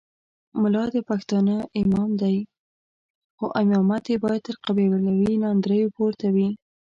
ملا د پښتانه امام دی خو امامت یې باید تر قبیلوي ناندریو پورته وي.